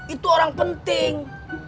itu orang penting